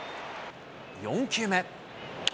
４球目。